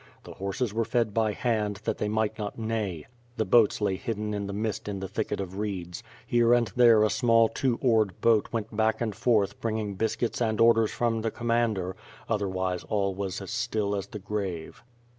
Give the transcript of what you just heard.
The horses were fed by hand that they might not neigh. The boats lay hidden by the mist in the thicket of reeds; here and there a small two oared boat went back and forth bringing biscuits and orders from the commander; othenvise all was as still as the grave.